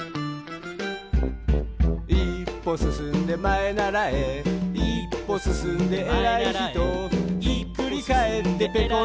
「いっぽすすんでまえならえ」「いっぽすすんでえらいひと」「ひっくりかえってぺこり